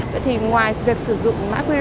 vậy thì ngoài việc sử dụng mã qr